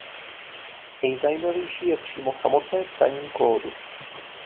Nejzajímavější je přímo samotné psaní kódu.